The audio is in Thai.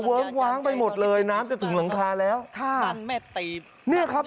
เวิ้งคว้างไปหมดเลยน้ำจะถึงหลังคาแล้วค่ะเนี่ยครับ